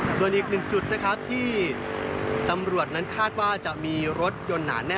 ส่วนอีกหนึ่งจุดนะครับที่ตำรวจนั้นคาดว่าจะมีรถยนต์หนาแน่